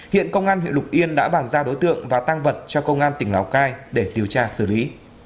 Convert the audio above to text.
hiện công an huyện lục yên đã bảng ra đối tượng và tăng vật cho công an tỉnh lào cai để tiêu tra xử lý